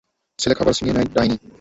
ছেলে খাবার ছিনিয়ে নেয় ডাইনি!